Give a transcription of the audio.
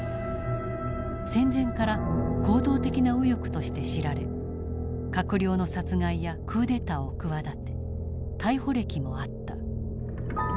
戦前から行動的な右翼として知られ閣僚の殺害やクーデターを企て逮捕歴もあった。